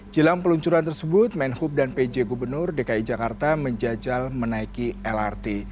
jelang peluncuran tersebut menhub dan pj gubernur dki jakarta menjajal menaiki lrt